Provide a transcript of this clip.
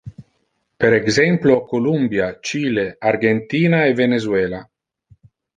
Per exemplo, Colombia, Chile, Argentina e Venezuela.